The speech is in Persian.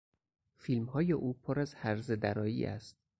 فیلمهای او پر از هرزه درایی است.